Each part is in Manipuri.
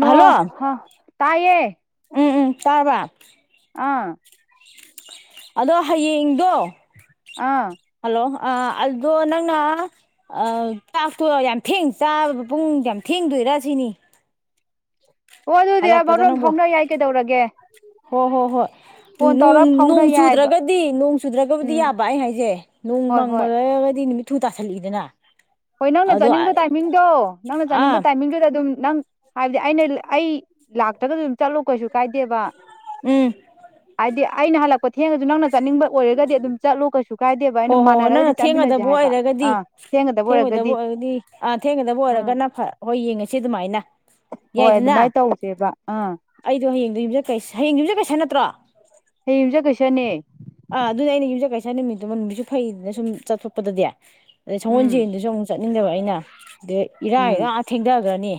ꯍꯜꯂꯣ ꯇꯌꯦ ꯎꯝ ꯎꯝ ꯇꯥꯔꯕ ꯑꯥ ꯑꯗꯣ ꯍꯌꯦꯡꯗꯣ ꯑꯥ ꯑꯥ ꯑꯗꯣ ꯅꯪꯅ ꯆꯥꯛꯇꯣ ꯌꯥꯝ ꯊꯦꯡ ꯆꯥꯕ ꯄꯨꯡ ꯌꯥꯝ ꯊꯦꯡꯗꯣꯏꯔꯥ ꯁꯤꯅꯤ ꯑꯣ ꯑꯗꯨꯗꯤ ꯃꯔꯣꯟ ꯐꯥꯎꯅ ꯌꯥꯏ ꯀꯩꯗꯧꯔꯒꯦ ꯍꯣ ꯍꯣ ꯍꯣꯏ ꯐꯣꯟ ꯇꯧꯔ ꯐꯥꯎꯅ ꯅꯣꯡ ꯌꯥꯏꯕ ꯆꯨꯗ꯭ꯔꯒꯗꯤ ꯅꯣꯡ ꯆꯨꯗ꯭ꯔꯒꯕꯨꯗꯤ ꯎꯝ ꯌꯥꯕ ꯑꯩ ꯍꯥꯏꯁꯦ ꯅꯣꯡ ꯍꯣꯏ ꯍꯣꯏ ꯃꯪꯃꯒꯗꯤ ꯅꯨꯃꯤꯠ ꯏꯨꯡ ꯇꯥꯁꯜꯂꯛꯏꯗꯅ ꯍꯣꯏ ꯅꯪꯅ ꯑꯗꯣ ꯆꯠꯅꯤꯡꯕ ꯇꯥꯏꯃꯤꯡꯗꯣ ꯅꯪꯅ ꯆꯠꯅꯤꯡꯕ ꯑꯥ ꯇꯥꯏꯃꯤꯡꯗꯨꯗ ꯑꯗꯨꯝ ꯅꯪ ꯍꯥꯏꯕꯗꯤ ꯑꯩꯅ ꯑꯩ ꯂꯥꯛꯇ꯭ꯔꯒꯁꯨ ꯑꯗꯨꯝ ꯆꯠꯂꯨ ꯀꯩꯁꯨ ꯀꯥꯏꯗꯦꯕ ꯎꯝ ꯍꯥꯏꯗꯤ ꯑꯩꯅ ꯍꯜꯂꯛꯄ ꯊꯦꯡꯉ ꯑꯗꯨ ꯅꯪꯅ ꯆꯥꯅꯤꯡꯕ ꯑꯣꯏꯔꯒꯗꯤ ꯑꯗꯨꯝ ꯆꯠꯂꯨ ꯀꯩꯁꯨ ꯀꯥꯏꯗꯦꯕ ꯍꯣ ꯑꯩꯅ ꯍꯣ ꯍꯣ ꯃꯥꯟꯅꯔꯒꯗꯤ ꯅꯪꯅ ꯆꯥꯃꯤꯟꯅꯁꯦ ꯍꯥꯏꯕ ꯑꯥ ꯊꯦꯡꯒꯗꯕ ꯑꯣꯏꯔꯒ ꯕꯨ ꯑꯣꯏꯔꯗꯤ ꯑꯥ ꯊꯦꯡꯒꯗꯕꯨ ꯑꯣꯏꯔꯒꯅ ꯍꯣꯏ ꯌꯦꯡꯉꯁꯤ ꯑꯗꯨꯃꯥꯏꯅ ꯅ ꯍꯣꯏ ꯑꯗꯨꯃꯥꯏꯅ ꯇꯧꯁꯦꯕ ꯑꯥ ꯀꯦ ꯀ ꯍꯌꯦꯡꯒꯤꯨꯝꯁꯦ ꯀꯩꯁ ꯅꯠꯇ꯭ꯔꯣ ꯍꯌꯦꯡꯁꯨ ꯀꯩꯁꯅꯦ ꯑꯥ ꯑꯗꯨꯅꯦ ꯑꯩꯅ ꯌꯨꯝꯁꯩ ꯀꯩꯁꯥ ꯅꯨꯃꯤꯠꯇꯨ ꯃꯅꯨꯡꯒꯤꯁꯨ ꯐꯩꯗꯅ ꯁꯨꯝ ꯆꯠꯊꯣꯛꯄꯗꯗꯤ ꯑꯗ ꯁꯣ ꯎꯝ ꯆꯦꯟꯗꯨꯁꯨ ꯑꯃꯨꯛ ꯆ ꯃꯤꯂꯕ ꯍꯥꯏꯅ ꯑꯗꯨ ꯏꯔꯥꯏ ꯎꯝ ꯂꯥꯛ ꯊꯦꯡꯊꯈ꯭ꯔꯅꯤ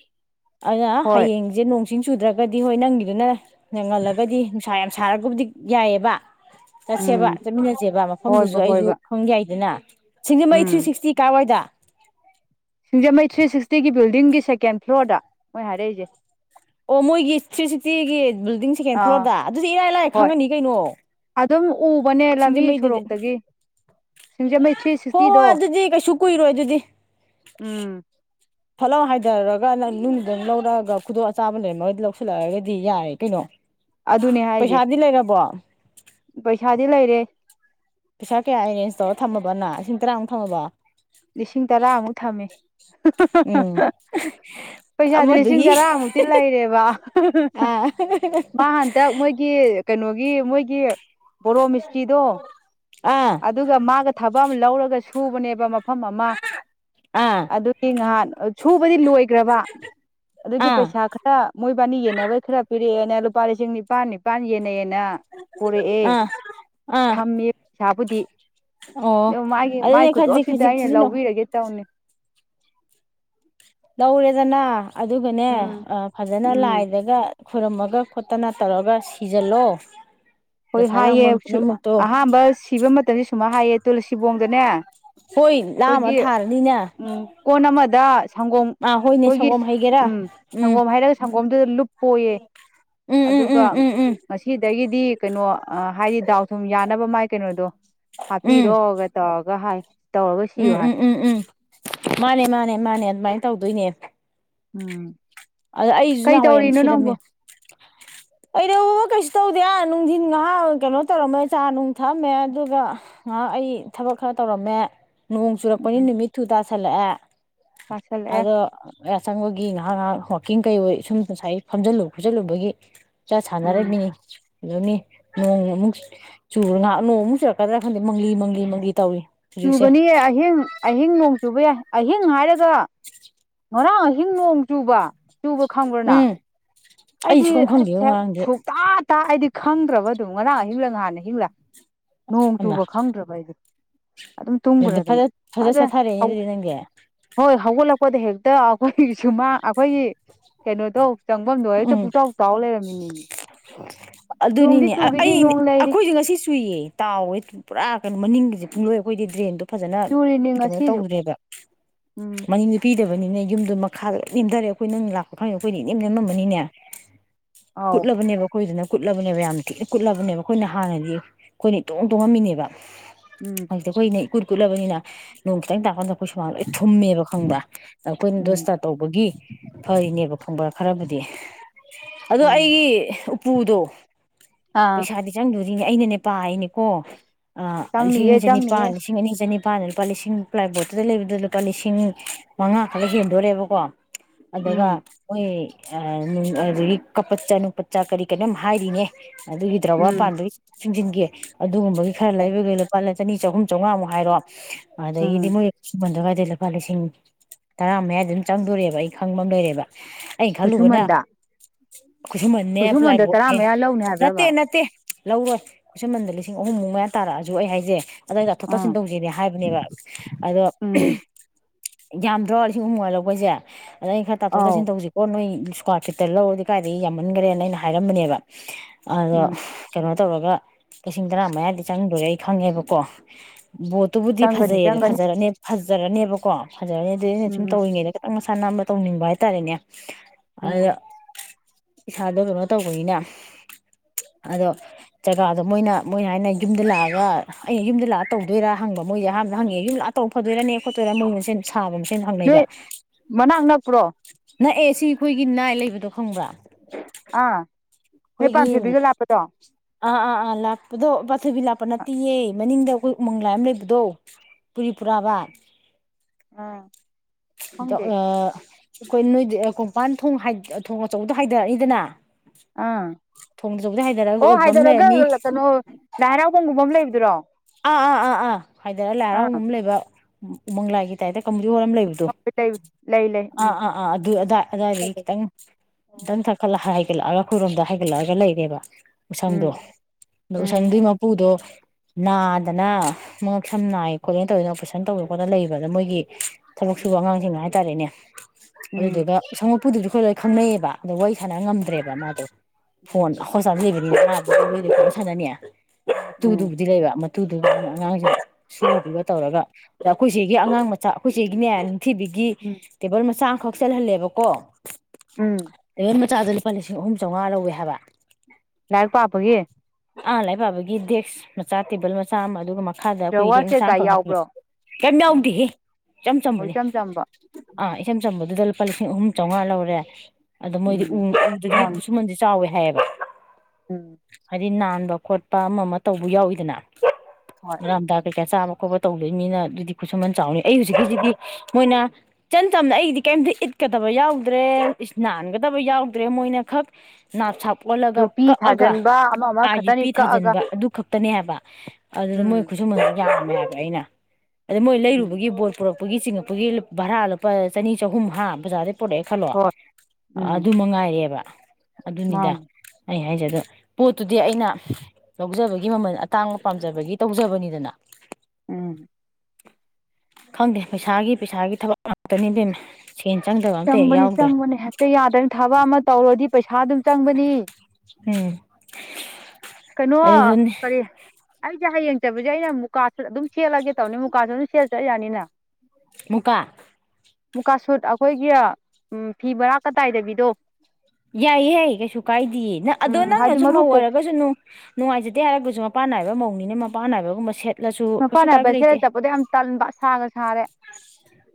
[inaudible] ꯑꯩꯅ ꯍꯣꯏ ꯍꯌꯦꯡꯁꯦ ꯅꯨꯡ ꯀꯛꯁꯤꯡꯤꯡ ꯆꯨꯗ꯭ꯔꯒꯗꯤ ꯍꯣꯏ ꯅꯪꯒꯤꯗꯨꯅ ꯅꯪꯍꯜꯂꯒꯗꯤ ꯅꯨꯡꯁꯥ ꯌꯥꯝ ꯁꯥꯔꯒꯕꯨꯗꯤ ꯌꯥꯏꯑꯕ ꯆꯠꯁꯦꯕ ꯎꯝ ꯆꯠꯃꯤꯟꯅꯁꯦꯕ ꯃꯐꯝꯗꯨꯁꯨ ꯍꯣꯏꯕ ꯍꯣꯏꯕ ꯑꯩꯁꯨ ꯐꯪ ꯌꯥꯏꯗꯅ ꯎꯝ ꯁꯤꯡꯖꯃꯩ ꯊ꯭ꯔꯤ ꯎꯝ ꯁꯤꯛꯁꯇꯤ ꯀꯥꯏꯋꯥꯏꯗ ꯁꯤꯡꯖꯃꯩ ꯊ꯭ꯔꯤ ꯁꯤꯛꯁꯇꯤꯒꯤꯤ ꯂꯤꯤꯡꯒꯤ ꯁꯦꯀꯦꯟ ꯐ꯭ꯂꯣꯔꯗ ꯃꯣꯏ ꯍꯥꯏꯔꯛꯏꯁꯦ ꯑꯣꯃꯣꯏ ꯌꯦꯦꯁꯤꯁꯤꯇꯤꯒꯦ ꯕꯤꯜꯗꯤꯡ ꯁꯦꯀꯦꯟ ꯑꯥ ꯐ꯭ꯂꯣꯔꯗ ꯑꯗꯨꯗꯤ ꯏꯔꯥꯏ ꯂꯥꯏ ꯈꯪꯉꯅꯤ ꯀꯩꯅꯣ ꯑꯗꯨꯨꯡ ꯁꯤꯡꯖꯃꯩꯗꯗꯤ ꯁꯤꯡꯖꯃꯩ ꯊ꯭ꯔꯤ ꯍꯣꯏ ꯍꯣꯏ ꯁꯤꯛꯁꯇꯤꯗꯣ ꯑꯗꯨꯗꯤ ꯀꯩꯁꯨ ꯀꯨꯏꯔꯣꯏ ꯑꯗꯨꯗꯤ ꯎꯝ ꯐꯠꯂꯥꯎ ꯍꯥꯏꯊꯔꯒ ꯅꯪ ꯅꯨꯡꯗꯪ ꯂꯧꯔꯛꯑꯒ ꯈꯨꯗꯣꯡ ꯑꯆꯥꯕ ꯂꯩꯔꯝꯃꯒꯗꯤ ꯂꯧꯁꯤꯜꯂꯛꯑꯒꯗꯤ ꯌꯥꯔꯦ ꯀꯩꯅꯣ ꯑꯗꯨꯅꯦ ꯍꯥꯏꯁꯦ ꯄꯩꯁꯥꯗꯤ ꯂꯩꯔꯕꯣ ꯄꯩꯁꯥꯗꯤ ꯂꯩꯔꯦ ꯄꯩꯁꯥ ꯀꯌꯥ ꯑꯦꯔꯦꯟꯖ ꯇꯧꯔ ꯊꯝꯃꯕꯅ ꯂꯤꯁꯤꯡ ꯇꯔꯥꯃꯨꯛ ꯊꯝꯃꯕ ꯂꯤꯁꯤꯡ ꯇꯔꯥꯃꯨꯛ ꯊꯝꯃꯦ ꯎꯝ ꯄꯩꯁꯥꯗꯤ ꯂꯤꯁꯤꯡ ꯑꯃꯗꯨꯒꯤ ꯇꯔꯥꯃꯨꯛꯇꯤ ꯂꯩꯔꯦꯕ ꯑꯥ ꯃꯥ ꯍꯟꯗꯛ ꯃꯣꯏꯒꯤ ꯀꯩꯅꯣꯒꯤ ꯃꯣꯏꯒꯤ ꯣꯔꯣ ꯃꯤꯁꯇꯔꯤꯗꯣ ꯑꯥ ꯑꯗꯨꯒ ꯃꯥꯒ ꯊꯕꯛ ꯑꯃ ꯂꯧꯔꯒ ꯁꯨꯕꯅꯦꯕ ꯃꯐꯝ ꯑꯃ ꯑꯥ ꯑꯗꯨꯒꯤ ꯉꯍꯥꯟ ꯨꯝ [inaudible] ꯃꯣꯏꯗꯤ ꯂꯣꯏꯒꯔꯕ ꯑꯥ ꯂꯨꯄꯥ ꯂꯤꯁꯤꯡ ꯅꯤꯄꯥꯜ ꯅꯤꯄꯥꯟ ꯌꯦꯟꯅꯩꯌꯦ ꯄꯨꯔꯛꯑꯦ ꯑꯥ ꯑꯥ ꯊꯝꯃꯤ ꯄꯩꯁꯥꯕꯨꯗꯤ ꯑꯣ ꯑꯗꯣ ꯃꯥꯒꯤ ꯃꯥꯒꯤ ꯑꯗꯨꯅꯦ ꯈꯖꯤꯛ ꯈꯨꯗꯣꯞꯁꯤꯗ ꯈꯖꯤꯛ ꯑꯩꯅ ꯁꯤꯖꯤꯟꯅꯧ ꯂꯧꯕꯤꯔꯒꯦ ꯇꯧ ꯇꯧꯅꯤ ꯂꯧꯔꯦꯗꯅ ꯑꯗꯨꯒꯅꯦ ꯎꯝ ꯐꯖꯅ ꯎꯝ ꯂꯥꯏꯗꯒ ꯈꯨꯔꯝꯃꯒ ꯈꯣꯠꯇꯅ ꯇꯧꯔꯒ ꯁꯤꯖꯜꯂꯣ ꯍꯣꯏ ꯗꯁꯥ ꯂꯥꯡꯕꯟ ꯍꯥꯏꯌꯦ ꯄꯨꯝꯅꯃꯛꯇꯣ ꯑꯍꯥꯟꯕ ꯁꯤꯕ ꯃꯇꯝꯁꯦ ꯁꯨꯃꯥꯏ ꯍꯥꯏꯌꯦ ꯇꯨꯜꯂꯁꯤꯕꯣꯡꯗꯅꯦ ꯍꯣꯏ ꯂꯥꯝꯃ ꯑꯩꯈꯣꯏꯒꯤ ꯊꯥꯔꯅꯤꯅꯦ ꯎꯝ ꯀꯣꯟ ꯑꯃ ꯗ ꯁꯪꯒꯣꯝ ꯑꯥ ꯍꯣꯏꯅꯦ ꯑꯩꯈꯣꯏꯒꯤ ꯁꯪꯒꯣꯝ ꯍꯩꯒꯦꯔꯥ ꯎꯝ ꯎꯝ ꯁꯪꯒꯣꯝ ꯍꯥꯏꯔꯒ ꯁꯪꯒꯣꯝꯗꯨꯗ ꯂꯨꯞ ꯄꯣꯌꯦ ꯎꯝ ꯎꯝ ꯎꯝ ꯎꯝ ꯑꯗꯨꯒ ꯎꯝ ꯉꯁꯤꯗꯒꯤꯗꯤ ꯀꯩꯅꯣ ꯍꯥꯏꯗꯤ ꯗꯥꯎ ꯊꯨꯝ ꯌꯥ ꯅꯕ ꯃꯥꯥꯏ ꯀꯩꯅꯣꯗꯣ ꯍꯥꯞꯄꯤꯔꯣ ꯎꯝ ꯍꯥꯏꯔꯒ ꯇꯧꯔꯒ ꯍꯥꯏꯌꯨ ꯎꯝ ꯎꯝ ꯎꯝ ꯎꯝ ꯃꯥꯅꯦ ꯃꯥꯅꯦ ꯃꯥꯅꯦ ꯑꯗꯨꯃꯥꯏ ꯇꯧꯗꯣꯏꯅꯦ ꯎꯝ ꯑꯗ ꯑꯩꯁꯨ ꯀꯩ ꯅꯍꯥꯟꯋꯥꯏ ꯌꯥꯝ ꯇꯧꯔꯤꯅꯣ ꯁꯤꯔꯝꯃꯦ ꯅꯪꯕꯨ ꯀꯩꯗꯧꯕ ꯇꯧꯗꯦ ꯅꯨꯡꯊꯤꯟ ꯉꯥꯏꯍꯥꯛ ꯀꯩꯅꯣ ꯇꯧꯔꯝꯃꯦ ꯆꯥ ꯅꯨꯡ ꯊꯛꯑꯝꯃꯦ ꯑꯗꯨꯒ ꯉꯥꯏꯍꯥꯛ ꯑꯩ ꯊꯕꯛ ꯈꯔ ꯇꯧꯔꯝꯃꯦ ꯅꯣꯡ ꯆꯨꯔꯛꯄꯅꯤ ꯅꯨꯃꯤꯠ ꯊꯨ ꯇꯥꯥꯁꯜꯂꯛꯑꯦ ꯂꯥꯛꯁꯜꯂꯛꯑꯦ ꯑꯗꯣ ꯌꯥꯆꯡꯕꯒꯤ [inaudible] ꯀꯛꯀꯤꯡ ꯀꯩ ꯑꯣꯏ ꯁꯨꯝ ꯉꯁꯥꯏ ꯐꯝꯖꯜꯂꯨꯕꯒꯤ ꯈꯣꯠꯆꯜꯂꯨꯕꯒꯤ ꯆꯠ ꯁꯥꯟꯅꯔꯃꯤꯅꯤ ꯑꯗꯨꯅꯤ ꯅꯣꯡ ꯑꯃꯨꯛ ꯆꯨꯔ ꯅꯣꯡꯃꯨꯛ ꯆꯨꯔꯛꯀꯗ꯭ꯔꯥ ꯈꯪꯗꯦ ꯃꯪꯂꯤ ꯃꯪꯂꯤ ꯃꯪꯂꯤ ꯇꯧꯏ ꯆꯨꯕꯅꯤꯌꯦ ꯑꯍꯤꯡ ꯑꯍꯤꯡ ꯅꯣꯡ ꯆꯨꯕ ꯌꯥꯏ ꯑꯍꯤꯡ ꯍꯥꯏꯔꯒ ꯉꯔꯥꯡ ꯑꯍꯤꯡ ꯅꯣꯡ ꯆꯨꯕ ꯆꯨꯕ ꯈꯪꯕ꯭ꯔ ꯅꯪ ꯎꯝ ꯑꯩ ꯑꯩꯗꯤ ꯁꯨꯈꯪ ꯈꯪꯗꯦ ꯑꯁꯦ ꯉꯔꯥꯡꯗꯤ ꯁꯨꯇꯥ ꯇ ꯑꯩꯗꯤ ꯈꯪꯗ꯭ꯔꯕꯗꯨꯝ ꯉꯔꯥꯡ ꯑꯍꯤꯡꯂꯥ ꯅꯍꯥꯟ ꯑꯍꯤꯡꯂ ꯅꯣꯡ ꯑꯃ ꯆꯨꯕ ꯈꯪꯗ꯭ꯔꯕ ꯑꯩꯗꯤ ꯑꯗꯨꯝ ꯑꯗꯨ ꯇꯨꯝꯈ꯭ꯔꯦꯗꯅ ꯐꯖ ꯐꯖ ꯐꯖꯩ ꯁꯥꯊꯔꯛꯑꯦꯅꯦ ꯑꯗꯨꯗꯤ ꯅꯪꯗꯤ ꯍꯣ ꯍꯧꯒꯠꯂꯛꯄ ꯍꯦꯛꯇ ꯑꯩꯈꯣꯏ ꯁꯨꯃꯥꯡ ꯑꯩꯈꯣꯏꯒꯤ ꯀꯩꯅꯣꯗꯣ ꯆꯪꯕ ꯎꯝ ꯅꯣꯡꯗꯤ ꯑꯗꯨꯅꯤꯅꯦ ꯆꯨꯒꯤꯅꯤ ꯑꯩ ꯅꯣꯡ ꯂꯩꯔꯤ ꯑꯩꯈꯣꯏꯁꯨ ꯉꯁꯤ ꯆꯨꯌꯦ ꯇꯥꯎꯋꯦ ꯄꯨꯔꯥ ꯀꯩꯅꯣ ꯃꯅꯤꯡꯒꯤꯁ ꯄꯨꯡꯂꯣꯏ ꯑꯩꯈꯣꯏꯗꯤ ꯗ꯭ꯔꯦꯟꯗꯣ ꯐꯖꯅ ꯆꯨꯔꯤꯅꯤ ꯀꯩꯅꯣ ꯉꯁꯤꯁꯨ ꯇꯧꯔꯨꯔꯦꯕ ꯎꯝ ꯃꯅꯤꯡꯗꯨ ꯄꯤꯗꯕ ꯅ ꯌꯨꯝꯗꯣ ꯃꯈꯥ ꯅꯦꯝꯊꯔꯦ ꯑꯩꯈꯣꯏ ꯅꯪ ꯂꯥꯛꯄ ꯈꯪꯏꯗꯨ ꯅꯦ ꯑꯥꯎ ꯀꯨꯠꯂꯕꯅꯦꯕ ꯑꯩꯈꯣꯏꯗꯨꯅ ꯀꯨꯠꯂꯕꯅꯦꯕ ꯌꯥꯝꯅ ꯊꯤꯅ ꯀꯨꯠꯂꯕꯅꯦꯕ ꯑꯩꯈꯣꯏꯅ ꯍꯥꯟꯅꯗꯤ ꯑꯩꯈꯣꯏꯅ ꯏꯇꯣꯡ ꯇꯣꯡꯉꯝꯃꯤꯅꯦꯕ ꯎꯝ ꯍꯧꯖꯤꯗꯤ ꯀꯣꯏ ꯅ ꯀꯨꯔꯀꯨꯂꯕꯅꯤꯅ ꯅꯣꯡ ꯇꯥꯏ ꯇ ꯑꯩꯈꯣꯏ ꯁꯨꯃꯥꯏꯅ ꯂꯣꯏ ꯊꯨꯝꯃꯦꯕ ꯈꯪꯕ꯭ꯔꯥ ꯑꯩꯈꯣꯏꯅ ꯎꯝ ꯗꯣꯁꯇꯥ ꯇꯧꯕꯒꯤ ꯐꯔꯤꯅꯦꯕ ꯈꯪꯕ꯭ꯔꯥ ꯈꯔꯕꯨꯗꯤ ꯑꯗꯣ ꯎꯝ ꯑꯩꯒꯤ ꯎꯄꯨꯗꯣ ꯑꯥ ꯄꯩꯁꯥꯗꯤ ꯆꯪꯗꯣꯏ ꯖꯤꯒꯁꯦ ꯑꯩꯅꯅꯦ ꯄꯥꯏꯔꯤꯅꯦ ꯀꯣ ꯑ ꯂꯤꯁꯤꯡ ꯆꯪꯅꯤꯌꯦ ꯑꯅꯤ ꯆꯅꯤꯄꯥꯜ ꯆꯪꯅꯤꯌꯦ ꯂꯤꯁꯤꯡ ꯑꯅꯤ ꯆꯅꯤ ꯅꯨꯄꯥꯅ ꯂꯨꯄꯥ ꯂꯤꯁꯤꯡ ꯄ꯭ꯂꯥꯏꯕꯣꯔꯠꯇꯨꯗ ꯂꯩꯕꯗꯨ ꯂꯨꯄꯥ ꯂꯤꯁꯤꯡ ꯃꯉꯥ ꯈꯜꯂ ꯍꯦꯟꯗꯣꯔꯦꯕꯀꯣ ꯑꯗꯨꯒ ꯎꯝ ꯃꯣꯏ ꯑ ꯑꯗꯨꯗꯒꯤ ꯀꯄꯠꯆꯥ ꯅꯨꯡꯄꯠꯆꯥ ꯀꯔꯤ ꯀꯩꯅꯣꯝ ꯍꯥꯏꯔꯤꯅꯦ ꯑꯗꯨꯒꯤ ꯗ꯭ꯔꯋꯥ ꯎꯝ ꯄꯥꯟꯗꯣꯏ ꯆꯤꯡꯁꯤꯟꯒꯦ ꯑꯗꯨ ꯑꯗꯨꯒꯨꯝꯕꯒꯤ ꯈꯔ ꯂꯩꯕ ꯂꯨꯄ ꯆꯅꯤ ꯆꯍꯨꯝ ꯆꯥꯝꯃꯉꯥꯃꯨꯛ ꯍꯥꯏꯔꯣ ꯑꯗꯩꯩꯗꯤ ꯎꯝ ꯃꯣꯏ ꯑꯗꯩ ꯂꯨꯄꯥ ꯂꯤꯁꯤꯡ ꯇꯔꯥ ꯃꯌꯥꯏꯗ ꯑꯗꯨꯝ ꯆꯪꯗꯨꯔꯦꯕ ꯑꯩ ꯈꯪꯕ ꯑꯃ ꯂꯩꯔꯦꯕ ꯑꯩꯅ ꯈꯜꯂꯨꯕꯅꯦ ꯎ ꯈꯨꯠꯁꯨꯃꯟꯗ ꯈꯨꯠꯁꯨꯃꯟꯅꯦ ꯈꯨꯠꯁꯨꯃꯟꯗ ꯇꯔꯥ ꯄ꯭ꯂꯥꯏꯕꯣꯠꯅꯦ ꯃꯌꯥ ꯂꯧꯅꯤ ꯅꯠꯇꯦ ꯍꯥꯏꯕ꯭ꯔꯕ ꯅꯠꯇꯦ ꯂꯧꯔꯣꯏ ꯈꯨꯠꯁꯃꯟꯗ ꯂꯤꯁꯤꯡ ꯑꯍꯨꯝꯃꯨꯛ ꯃꯌꯥ ꯇꯥꯔꯛꯑꯁꯨ ꯑꯩ ꯍꯥꯏꯖꯦ ꯑꯗꯩ ꯇꯥꯊꯣꯛ ꯇꯥꯁꯤꯟ ꯑꯥ ꯇꯧꯁꯤꯅꯦ ꯍꯥꯏꯕꯅꯦꯕ ꯑꯗꯣ ꯎꯝ ꯌꯥꯝꯗ꯭ꯔꯣ ꯂꯤꯁꯤꯡ ꯑꯍꯨꯝ ꯋꯥꯠꯂꯧꯕ ꯍꯥꯏꯁꯦ ꯑꯗ ꯑꯩ ꯈꯔ ꯇꯥꯊꯣꯛ ꯑꯧ ꯇꯥꯁꯤꯟ ꯇꯧꯁꯤ ꯃꯣꯏ ꯏꯁꯀ꯭ꯋꯥꯔ ꯐꯤꯠꯇ ꯂꯧꯔꯗꯤ ꯀꯥꯏꯗꯒꯤ ꯌꯥꯝꯃꯟꯈ꯭ꯔꯦꯅ ꯑꯩꯅ ꯍꯥꯏꯔꯝꯕꯅꯦꯕ ꯑꯗꯣ ꯎꯝ ꯀꯩꯅꯣ ꯇꯧꯔꯒ ꯂꯤꯁꯤꯡ ꯇꯔꯥ ꯃꯌꯥꯗꯤ ꯆꯪꯗꯣꯔꯦ ꯑꯩ ꯈꯪꯉꯦꯕꯀꯣ ꯕꯣꯠꯇꯨꯕꯨꯗꯤ ꯆꯪꯒꯅꯤ ꯐꯖꯩ ꯆꯪꯒꯅꯤ ꯐꯖꯔꯅꯤ ꯐꯖꯔꯅꯦꯕꯀꯣ ꯐꯖꯔꯅꯤ ꯑꯗꯨ ꯑꯩꯅ ꯁꯨꯝ ꯎꯝ ꯇꯧꯔꯤꯉꯩꯗ ꯈꯤꯪꯁ ꯁꯥꯟꯅꯥꯝꯕ ꯇꯧꯅꯤꯡꯕ ꯍꯥꯏꯇꯥꯔꯦꯅꯦ ꯎꯝ ꯑꯗ ꯏꯁꯥꯗꯣ ꯀꯩꯅꯣ ꯇꯧꯕꯅꯤꯅ ꯑꯗꯣ ꯖꯒꯥꯗꯣ ꯃꯣꯏꯅ ꯃꯣꯏꯅ ꯍꯥꯏꯅ ꯌꯨꯝꯗ ꯂꯥꯛꯑꯒ ꯑꯩꯅ ꯌꯨꯝꯗ ꯂꯥꯛꯑ ꯇꯧꯗꯣꯏꯔ ꯍꯪꯕ ꯃꯣꯏꯁꯦ ꯑꯍꯥꯟꯕꯗ ꯍꯪꯉꯤꯦ ꯌꯨꯝ ꯂꯥꯛꯑ ꯇꯧꯔ ꯐꯗꯣꯏꯔꯅꯦ ꯈꯣꯠꯇꯣꯏꯔꯥ ꯃꯣꯏꯅꯣꯟꯁꯦ ꯅꯣꯏ ꯃꯅꯥꯛ ꯅꯛꯄ꯭ꯔꯣ ꯅꯛꯑꯦ ꯁꯤ ꯑꯩꯈꯣꯏꯒꯤ ꯅꯥꯏ ꯂꯩꯕꯗꯣ ꯈꯪꯕ꯭ꯔꯥ ꯑꯥ ꯅꯣꯏ ꯑꯩꯈꯣꯏꯒꯤ ꯄꯥꯟꯊꯣꯏꯕꯤꯒ ꯂꯥꯛꯄꯗꯣ ꯑꯥ ꯑꯥ ꯑꯥ ꯂꯥꯛꯄꯗꯣꯄꯥꯊꯣꯏꯕꯤ ꯂꯥꯛꯄ ꯅꯠꯇꯦꯌꯦ ꯃꯅꯤꯡꯗ ꯑꯩꯈꯣꯏ ꯎꯃꯪ ꯂꯥꯏ ꯑꯃ ꯂꯩꯕꯗꯣ ꯄꯨꯔꯤ ꯄꯨꯔꯥꯕ ꯑꯥ ꯈꯪꯗꯦ ꯑ ꯑꯩꯈꯣꯏ ꯅꯣꯏꯗꯤ ꯀꯝꯄꯥꯟ ꯊꯣꯡ ꯑꯆꯧꯕꯗꯣ ꯍꯥꯏꯊꯔꯛꯅꯤꯗꯅ ꯑꯥ ꯊꯣꯡ ꯑꯆꯧꯕꯗ ꯍꯥꯏꯊꯔꯒ ꯑꯣ ꯑꯣꯏꯕ ꯑꯃ ꯍꯥꯏꯗꯔꯒ ꯂꯩꯔꯅꯤ ꯀꯩꯅꯣ ꯂꯥꯏ ꯍꯔꯥꯎꯕꯒꯨꯝꯕ ꯑꯃ ꯂꯩꯕ ꯀꯨꯖ꯭ꯔꯣ ꯑꯥ ꯑꯥ ꯑꯥ ꯑꯥ ꯍꯥꯏꯗꯔ ꯂꯥꯏ ꯍꯔꯥꯎꯕ ꯑꯃ ꯂꯩꯕ ꯎꯃꯪ ꯂꯥꯇꯥꯗ ꯀ ꯑꯗꯨ ꯋꯥꯝ ꯂꯩꯕꯗꯣ ꯍꯣꯏ ꯂꯩ ꯂꯩ ꯂꯩ ꯎꯝ ꯑꯥ ꯑꯥ ꯑꯥ ꯑꯗꯨ ꯑꯏ ꯎꯝ ꯑꯏꯗꯒꯤ ꯈꯤꯇꯪ ꯈꯤꯇꯪ ꯊꯀꯠꯂ ꯍꯥꯏ ꯍꯥꯏꯒꯠꯂꯛꯒ ꯑꯩ ꯈꯨꯣꯏꯔꯣꯝꯗ ꯍꯥꯏꯒꯠꯂꯛꯑꯒ ꯂꯩꯔꯦꯕ ꯎꯁꯪꯗꯣ ꯑꯗ ꯎꯝ ꯎꯁꯪꯗꯨꯒꯤ ꯃꯄꯨꯗꯣ ꯅꯥꯗꯅ ꯃꯉꯛ ꯁꯝ ꯅꯥꯏ ꯈꯣꯠꯂꯦꯅ ꯇꯧꯗꯦꯅ ꯑꯣꯄꯔꯦꯁꯟ ꯇꯧꯗ ꯈꯣꯠꯠꯇꯅ ꯂꯩꯕꯗ ꯃꯣꯏꯒꯤ ꯊꯕꯛ ꯁꯨꯕ ꯎꯝ ꯑꯉꯥꯡꯁꯤꯡ ꯍꯥꯏ ꯇꯔꯦꯅꯦ ꯑꯗꯨꯗ ꯗꯗꯥ ꯁ ꯎꯄꯨꯗꯨꯁꯨ ꯈꯔꯣꯏ ꯂꯣꯏ ꯈꯪꯅꯩꯌꯦꯕ ꯑꯗꯣ ꯋꯥꯔꯤ ꯁꯥꯟꯅꯕ ꯉꯝꯗ꯭ꯔꯦꯕ ꯃꯥꯗꯣ ꯐꯣꯟ ꯑꯩꯈꯣꯏ ꯆ ꯂꯩꯕꯤ ꯔꯦ ꯈꯅ ꯁꯥꯟꯅꯤꯌꯥ ꯎꯝ ꯃꯇꯨꯗꯨꯗ ꯑꯉꯥꯡꯁꯦ ꯁꯨꯔꯗꯨꯒ ꯇꯧꯔꯒ ꯑꯗ ꯑꯩꯈꯣꯏꯆꯦꯒꯤ ꯑꯉꯥꯡ ꯃꯆꯥ ꯑꯩꯈꯣꯏꯆꯦꯒꯤꯅꯦ ꯤ ꯕꯤꯒꯤ ꯎꯝ ꯇꯦꯕꯜ ꯃꯆꯥꯥ ꯈꯛꯆꯜꯍꯜꯂꯦꯕꯀꯣ ꯎꯝ ꯆꯥꯗ ꯂꯨꯄꯥ ꯂꯤꯁꯤꯡ ꯑꯍꯨꯝ ꯆꯥꯝꯃꯉꯥ ꯂꯧꯋꯦ ꯍꯥꯏꯕ ꯂꯥꯏꯛ ꯄꯥꯄꯒꯤ ꯑꯥ ꯂꯥꯏ ꯄꯥꯕꯒꯤ ꯗꯦꯛꯁ ꯃꯆꯥ ꯇꯦꯕꯜ ꯃꯆꯥ ꯑꯃ ꯑꯗꯨꯒ ꯃꯈꯥꯗ ꯑꯩꯈꯣꯏ ꯖꯋꯥꯁ ꯏꯔꯦꯛ ꯃꯆꯥ ꯀꯩꯀꯥ ꯈꯛ ꯍꯥꯞꯄꯤꯔ ꯌꯥꯎꯕ꯭ꯔꯣ ꯀꯌꯥꯝ ꯑꯣ ꯌꯥꯎꯗꯦꯍꯦ ꯏꯆꯝ ꯑꯣ ꯆꯝꯕꯅꯦ ꯏꯆꯝ ꯆꯝꯕ ꯑꯥ ꯎꯝ ꯏꯆꯝ ꯆꯝꯕꯗꯨꯗ ꯂꯨꯄꯥ ꯂꯤꯁꯤꯡ ꯑꯍꯨꯝ ꯆꯧꯉꯥ ꯂꯧꯔꯦ ꯑꯗ ꯃꯣꯏꯗꯤ ꯎ ꯎꯝ ꯎꯗꯒꯤ ꯃꯥꯅꯤ ꯈꯨꯠꯁꯨꯃꯟꯗꯤ ꯆꯥꯎꯋꯦ ꯍꯥꯏꯌꯦꯕ ꯎꯝ ꯍꯥꯏꯗꯤ ꯅꯥꯟꯕ ꯈꯣꯠꯄ ꯑꯃ ꯑꯃ ꯇꯧꯕ ꯌꯥꯎꯋꯤꯗꯅ ꯍꯣꯏ ꯔꯝꯗ ꯀꯩ ꯆꯥꯕ ꯈꯣꯠꯄ ꯇꯧꯗꯣꯏ ꯃꯤꯅ ꯑꯗꯨꯗꯤ ꯈꯨꯠꯁꯨꯃꯟ ꯆꯥꯎꯅꯤ ꯑꯩ ꯍꯧꯖꯤꯛꯀꯤꯁꯤꯗꯤ ꯃꯣꯏꯅ ꯏꯆꯝ ꯆꯝꯅ ꯑꯩꯒꯤꯗꯤ ꯀꯔꯤꯝꯇ ꯏꯠꯀꯗꯕ ꯌꯥꯎꯗ꯭ꯔꯦ ꯅꯥꯟꯒꯗꯕ ꯌꯥꯎꯗ꯭ꯔꯦ ꯃꯣꯏꯅ ꯈꯛ ꯅꯥꯠ ꯁꯥ ꯑꯣꯂꯒ ꯌꯣꯄꯤ ꯀꯛꯑꯒ ꯊꯥꯖꯤꯟꯕ ꯑꯃ ꯑꯃ ꯑꯥ ꯈꯛꯇꯅꯤ ꯌꯣꯄꯤ ꯀꯛꯑꯒ ꯊꯥꯖꯤꯟꯕ ꯑꯗꯨ ꯈꯛꯇꯅꯦ ꯍꯥꯏꯕ ꯑꯗꯨꯗ ꯃꯣꯏ ꯎꯝ ꯈꯨꯠꯁꯨꯃꯟꯁꯨ ꯌꯥꯝ ꯑꯩꯅ ꯑꯗ ꯃꯣꯏ ꯎꯝ ꯂꯩꯔꯕꯒꯤ ꯕꯣꯜ ꯄꯨꯔꯛ ꯂꯣꯏꯕꯒꯤ ꯆꯤꯡꯉꯛꯄꯒꯤ ꯚꯔꯥ ꯂꯨꯄꯥ ꯆꯅꯤ ꯆꯍꯨꯝ ꯍꯥꯥ ꯕꯖꯥꯔꯗ ꯄꯨꯔꯛꯑꯦ ꯈꯜꯂꯣ ꯍꯣꯏ ꯎꯝ ꯑꯗꯨꯃ ꯉꯥꯏꯔꯦꯕ ꯑꯗꯨꯅꯤꯗ ꯃꯥꯅꯤ ꯑꯩ ꯍꯥꯏꯖꯦ [unintelligible] ꯄꯣꯠꯇꯨꯗꯤ ꯑꯩꯅ ꯂꯧꯖꯕꯒꯤ ꯃꯃꯜ ꯑꯇꯥꯡꯕ ꯄꯥꯝꯖꯕꯒꯤ ꯇꯧꯖꯕꯅꯤꯗꯅ ꯎꯝ ꯈꯪꯗꯦ ꯄꯩꯁꯥꯒꯤ ꯄꯩꯁꯥꯒꯤ ꯊꯕꯛ ꯉꯥꯛꯇꯅꯤ ꯢꯕꯦꯝꯃ ꯆꯪꯕꯅꯤ ꯆꯪꯕꯅꯤ ꯍꯦꯛꯇ ꯌꯥꯗꯅ ꯊꯕꯛ ꯑꯃ ꯇꯧꯔꯨꯔꯗꯤ ꯄꯩꯁꯥ ꯑꯗꯨꯝ ꯆꯪꯕꯅꯤ ꯎꯝ ꯀꯩꯅꯣ ꯑꯗꯨꯗꯅꯦ ꯀꯔꯤ ꯑꯩꯁꯦ ꯍꯌꯦꯡ ꯆꯠꯕꯁꯦ ꯑꯩꯅ ꯃꯨꯀꯥꯁꯨ ꯑꯗꯨꯝ ꯁꯦꯠꯂꯒꯦ ꯇꯧꯅꯤ ꯃꯨꯀꯥꯁꯨ ꯑꯗꯨꯝ ꯁꯦꯠ ꯆꯠ ꯌꯥꯅꯤꯅ ꯃꯨꯀꯥ ꯃꯨꯀꯥ ꯁꯨꯠ ꯑꯩꯈꯣꯏꯒꯤ ꯎꯝ ꯐꯤ ꯃꯔꯥꯀ ꯇꯥꯏꯗꯕꯤꯗꯣ ꯌꯥꯏꯌꯦ ꯌꯥꯏꯌꯦ ꯀꯩꯁꯨ ꯀꯥꯏꯗꯌꯦ ꯅꯪ ꯑꯗꯣ ꯎꯝ ꯅꯪꯅ ꯍꯥꯏꯗꯤ ꯁꯨꯝ ꯃꯧ ꯃꯔꯨ ꯀꯣꯛ ꯑꯣꯏꯔꯒꯁꯨꯅꯨ ꯅꯨꯡꯉꯥꯏꯖꯗꯦ ꯍꯥꯏꯔꯒꯁꯨ ꯃꯄꯥꯟ ꯅꯥꯏꯕ ꯃꯧꯅꯤ ꯃꯥꯟ ꯅꯥꯏꯕꯒꯨꯝꯕ ꯁꯦꯠ ꯂꯁꯨ ꯃꯄꯥꯟ ꯀꯩꯁꯨ ꯀꯥꯏꯕ ꯅꯥꯏꯕ ꯁꯦꯠꯂ ꯂꯩꯇꯦ ꯆꯠꯄꯗꯣ ꯌꯥꯝ ꯇꯟꯕ ꯁꯥꯒ ꯁꯥꯔꯦ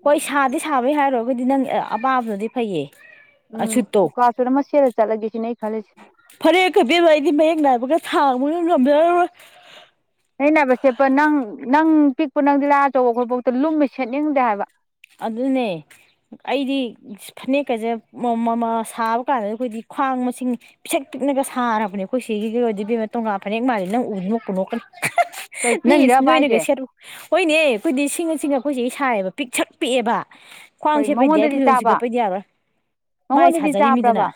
ꯍꯣꯏ ꯁꯥꯗꯤ ꯁꯥꯕꯩ ꯍꯥꯏꯔꯣ ꯑꯩꯈꯣꯏꯗꯤ ꯅꯪ ꯑꯦ ꯑꯄꯥꯕꯗꯨꯅꯗꯤ ꯐꯩꯌꯦ ꯑ ꯎꯝ ꯁꯨꯠꯇꯣ ꯃꯨꯀꯥ ꯁꯨꯠ ꯑꯃ ꯁꯦꯠꯂ ꯆꯠꯂꯒꯦꯁꯦ ꯐꯅꯦꯠꯀ ꯏꯕꯦꯝꯃ ꯑꯩꯗꯤ ꯃꯌꯦꯛ ꯅꯥꯏꯕꯒ ꯁꯥꯡꯕꯒ ꯉꯝꯖꯔꯔꯣꯏ ꯐꯅꯦꯛ ꯅꯥꯏꯕ ꯁꯦꯠꯄ ꯅꯪ ꯅꯪ ꯄꯤꯛꯄ ꯅꯪ ꯗꯤꯂꯥꯏꯔꯗꯅ ꯑꯆꯧꯕ ꯑꯩꯈꯣꯏꯐꯥꯎꯗ ꯂꯨꯝꯃꯤ ꯁꯦꯠꯅꯤꯡꯗꯦ ꯍꯥꯏꯕ ꯑꯗꯨꯅꯦ ꯑꯩꯗꯤ ꯐꯅꯦꯛꯀꯁꯦ ꯁꯥꯕ ꯀꯥꯟꯗ ꯑꯩꯈꯣꯏꯗꯤ ꯈ꯭ꯋꯥꯡ ꯃꯁꯤꯡ ꯄꯤꯁꯛ ꯄꯤꯛꯅꯒ ꯁꯥꯔꯕꯅꯦ ꯑꯩꯈꯣꯏ ꯁꯤꯒꯤꯒꯤ ꯑꯣꯏꯗꯤ ꯇꯣꯒꯥ ꯐꯅꯦꯛ ꯃꯥꯜꯂꯤ ꯅꯪ ꯎꯗꯨꯃꯛ ꯀꯨꯝꯊꯣꯛꯀꯅꯤ ꯀꯩ ꯅꯪ ꯄꯤꯛꯏꯔꯕ ꯅꯣꯏꯅꯒ ꯍꯥꯏꯁꯦ ꯁꯦꯠ ꯍꯣꯏꯅꯦ ꯑꯩꯈꯣꯏꯗꯤ ꯁꯤꯡꯉꯨ ꯁꯤꯡꯉꯨ ꯑꯩꯈꯣꯏ ꯆꯦ ꯁꯥꯏꯌꯦꯕ ꯄꯤꯛ ꯁꯛ ꯄꯤꯛꯑꯕ ꯈ꯭ꯋꯥꯡ ꯀꯩ ꯁꯦꯠꯄꯩꯗꯤ ꯌꯥ ꯃꯉꯣꯟꯗꯗꯤ ꯐꯨꯗꯣꯟ ꯆꯥꯕ ꯁꯤꯒꯠꯄꯩꯗꯤ ꯌꯥꯔꯣꯏ ꯃꯥꯏ ꯃꯉꯣꯟꯗꯗꯤ ꯁꯥꯖꯔꯤꯅꯤꯗꯅ ꯆꯥꯕ꯭ꯔꯕ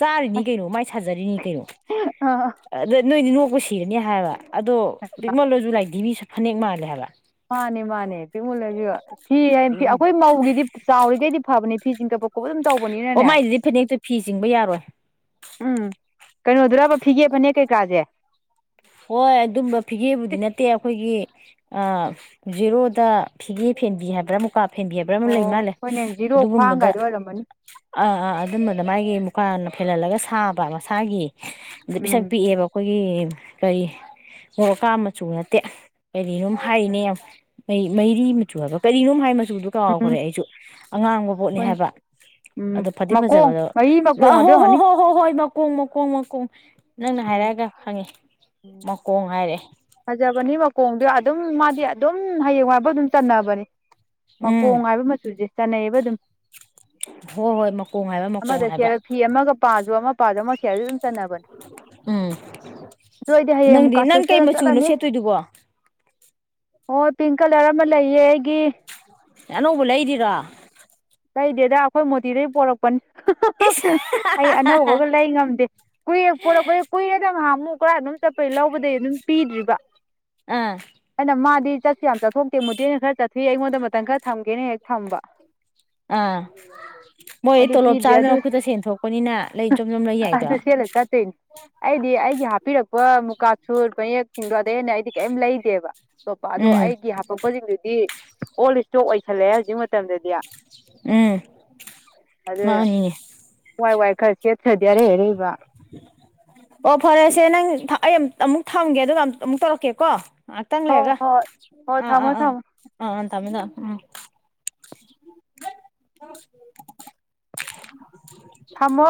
ꯆꯥꯔꯤꯅꯤ ꯀꯩꯅꯣ ꯃꯥꯏ ꯊꯖꯔꯤꯅꯤ ꯀꯩꯅꯣ ꯑꯁ ꯑꯗ ꯅꯣꯏꯗꯤ ꯕꯨ ꯁꯤꯔꯅꯤ ꯍꯥꯏꯕ ꯑꯗꯣ ꯇꯦꯛꯅꯣꯂꯣꯁꯨꯨ ꯂꯩꯥꯏꯗꯤ ꯃꯤ ꯁꯛ ꯍꯅꯦꯛ ꯃꯥꯂꯦ ꯍꯥꯏꯂ ꯃꯥꯅꯦ ꯃꯥꯅꯦ ꯄ ꯃꯨꯜꯂꯁꯤ ꯐꯤ ꯍꯥꯏꯤ ꯑꯩꯈꯣꯏ ꯃꯧꯒꯤꯗꯤ ꯆꯥꯎꯔꯤꯈꯩꯗꯤ ꯐꯕꯅꯤ ꯐꯤ [unintelligible] ꯑꯣ ꯇꯧꯕꯅꯤꯅꯅꯦ ꯃꯥꯏꯁꯤꯗꯤ ꯐꯅꯦꯛꯇꯣ ꯐꯤ ꯆꯤꯡꯕ ꯌꯥꯔꯣꯏ ꯎꯝ ꯀꯩꯅꯣꯗꯨꯔꯕ ꯐꯤꯒꯦꯞꯄꯅꯦ ꯀꯩꯀꯥꯁꯦ ꯍꯣꯏ ꯑꯗꯨꯝꯕ ꯐꯤꯒꯦꯕꯨꯗꯤ ꯅꯠꯇꯦ ꯑꯩꯈꯣꯏꯒꯤ ꯑ ꯖꯦꯔꯣꯗ ꯐꯤꯒꯦ ꯐꯦꯟꯕꯤ ꯍꯥꯏꯕ꯭ꯔꯥ ꯃꯨꯛꯀꯥꯞ ꯐꯦꯟꯕꯤꯕ꯭ꯔꯥ ꯑꯃ ꯑꯣ ꯂꯩ ꯃꯥꯜꯂꯦ ꯍꯣꯏꯅꯦ ꯖꯤꯔꯣ ꯑꯗꯨꯒꯨꯝꯕꯗ ꯈ꯭ꯋꯥꯡꯒꯥꯏꯗꯣ ꯑꯣꯏꯔꯝꯃꯅꯤ ꯑꯥ ꯑꯥ ꯑꯗꯨꯝꯕꯗ ꯃꯥꯒꯤ ꯗꯨꯀꯥꯟꯅ ꯐꯦꯜꯍꯜꯂꯒ ꯁꯥꯕ ꯃꯁꯥꯒꯤ ꯑꯗ ꯄꯩꯁꯥ ꯎꯝ ꯄꯤꯛꯑꯦꯕ ꯑꯩꯈꯣꯏꯒꯤ [inaudible] ꯀꯔꯤ ꯃꯣꯔꯀꯥ ꯃꯆꯨ ꯅꯠꯇꯦ ꯀꯔꯤꯅꯣꯝ ꯍꯥꯏꯔꯤꯅꯦ ꯌꯥꯝꯩ ꯃꯩꯔꯤ ꯃꯆꯨ ꯍꯥꯏꯕ ꯀꯔꯤꯅꯣꯝ ꯍꯥꯏ ꯃꯆ ꯁꯨꯗꯨ ꯎꯝ ꯀꯥꯎꯈ꯭ꯔꯦ ꯑꯩꯁꯨ ꯑꯉꯥꯡꯕ ꯄꯣꯠꯅꯤ ꯍꯣꯏꯅꯦ ꯍꯥꯏꯕ ꯎꯝ ꯑꯗꯨꯣ ꯐꯗꯤ ꯃꯈꯣꯡ ꯐꯖꯕꯗꯣ ꯃꯔꯤ ꯃꯈꯣꯡ ꯍꯣ ꯑꯗꯨ ꯍꯣꯏ ꯑꯣꯏꯔꯝꯒꯅꯤ ꯍꯣꯏ ꯍꯣꯏ ꯍꯣꯏ ꯀꯨꯝꯃ ꯀꯨꯝꯃ ꯀꯨꯝ ꯅꯪꯅ ꯎꯝ ꯍꯥꯏꯔꯛꯑꯒ ꯐꯪꯉꯤ ꯎꯝ ꯐꯖꯕꯅꯤ ꯃꯈꯣꯡꯗꯨ ꯑꯗꯨꯝ ꯃꯥꯗꯤ ꯑꯗꯨꯝ ꯍꯌꯦꯡꯋꯥꯏꯐꯥꯎ ꯑꯗꯨꯝ ꯆꯟꯅꯅꯕꯅꯦ ꯎꯝ ꯃꯈꯀꯣꯡ ꯍꯥꯏꯕ ꯃꯆꯨꯁꯦ ꯆꯥꯅꯩꯌꯦꯕ ꯑꯗꯨꯝ ꯍꯣꯏ ꯍꯣꯏ ꯃꯀꯣꯡ ꯍꯥꯏꯕ ꯑꯃꯗ ꯃꯀꯣꯡ ꯍꯥꯏꯕ ꯁꯦꯠꯂꯒ ꯐꯤ ꯑꯃꯒ ꯄꯥꯁꯨ ꯑꯃ ꯄꯥꯁꯨ ꯑꯃ ꯀꯌꯥꯗ [unintelligible] ꯇꯅꯥꯕꯟ ꯎꯝ ꯅꯪꯗꯤ ꯅꯪ ꯃꯨꯛꯀꯥꯁꯨ ꯀꯩ ꯁꯦꯠꯂ ꯃꯆꯨꯅꯣ ꯆꯠꯂꯅꯤ ꯁꯦꯠꯇꯣꯏꯗꯨꯕꯣ ꯍꯣꯏ ꯄꯤꯡ ꯀꯂꯔ ꯑꯃ ꯂꯩꯌꯦ ꯑꯩꯒꯤ ꯑꯅꯧꯕ ꯂꯩꯔꯤꯔꯣ ꯀꯩꯗꯦꯗ ꯑꯩꯈꯣꯏ ꯃꯣꯇꯤꯗꯒꯤ ꯄꯣꯔꯛꯄꯅꯤ ꯏꯁ ꯑꯩ ꯑꯅꯧꯕꯒ ꯂꯩ ꯉꯝꯗꯦ ꯀꯨꯏꯔ ꯄꯣꯔꯛꯄꯗ ꯀꯨꯏꯔꯗ ꯉꯍ ꯑꯃꯨꯛ ꯄꯨꯔꯥ ꯑꯗꯨꯝ ꯆꯠꯄꯩ ꯂꯧꯕꯗꯒꯤꯩ ꯑꯗꯨꯝ ꯄꯤꯗ꯭ꯔꯤꯕ ꯑꯥ ꯑꯩꯅ ꯃꯥꯗꯤ ꯆꯠꯁꯨ ꯌꯥꯝ ꯆꯠꯊꯣꯛꯇꯦ ꯃꯨꯗꯦꯅ ꯈꯔ ꯆꯠꯊ ꯑꯩꯉꯣꯟꯗ ꯃꯇꯝ ꯈꯔ ꯊꯝꯒꯦꯅ ꯍꯦꯛ ꯊꯝꯕ ꯑꯥ ꯃꯣꯏ ꯑꯗꯨ ꯇꯣꯂꯣꯞ ꯄꯤꯗ꯭ꯔꯦ ꯆꯥꯕꯅ ꯑꯗꯨ ꯃꯈꯠꯇ ꯁꯦꯟ ꯊꯣꯛꯣꯛꯄꯅꯤꯅ ꯂꯩ ꯗ꯭ꯔꯣꯝ ꯗ꯭ꯔꯣꯝ ꯂꯩ ꯌꯥꯏꯗꯣ ꯑꯗꯨ ꯁꯦꯠꯂ ꯆꯠꯇꯣꯏꯅꯤ ꯑꯩꯗꯤ ꯑꯩꯒꯤ ꯍꯥꯞꯄꯤꯔꯛꯄ ꯃꯨꯀꯥ ꯁꯠ ꯃꯌꯦꯛꯁꯤꯡꯗꯣ ꯑꯗ ꯍꯦꯟꯅ ꯑꯩꯗꯤ ꯀꯩꯝ ꯂꯩꯗꯦꯕ ꯑꯇꯣꯞꯄ ꯑꯗꯣ ꯎꯝ ꯑꯩꯒꯤ ꯍꯥꯄꯛꯄꯁꯤꯡꯗꯨꯗꯤ ꯑꯣꯜ ꯏꯁꯇꯣꯛ ꯑꯣꯏꯁꯜꯂꯦ ꯍꯧꯖꯤꯛ ꯃꯇꯝꯗꯗꯤ ꯎꯝ ꯑꯗꯨꯅ ꯃꯥꯅꯤꯅꯦ ꯋꯥꯏ ꯋꯥꯏ ꯈꯔ ꯁꯦꯠꯈ꯭ꯔꯗꯤ ꯑꯔꯩ ꯑꯔꯩꯕ ꯑꯣ ꯐꯔꯦꯁꯦ ꯅꯪ ꯑꯩ ꯑꯃ ꯑꯃꯨꯛ ꯊꯝꯒꯦ ꯑꯗꯨꯒ ꯑꯃ ꯑꯃꯨꯛ ꯇꯧꯔꯛꯀꯦꯀꯣ ꯉꯥꯛꯇꯪ ꯍꯣꯏ ꯍꯣꯏ ꯂꯩꯔꯒ ꯍꯣꯏ ꯍꯣꯏ ꯑꯥ ꯑꯥ ꯊꯝꯃꯣ ꯊꯝꯃꯣ ꯑꯥ ꯑꯥ ꯇꯝꯃꯤꯅ ꯎꯝ [inaudible] ꯊꯝꯃꯣ